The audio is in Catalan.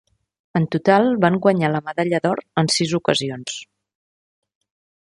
En total van guanyar la medalla d'or en sis ocasions.